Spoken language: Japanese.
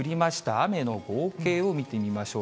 雨の合計を見てみましょう。